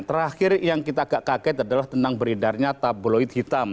terakhir yang kita agak kaget adalah tentang beredarnya tabloid hitam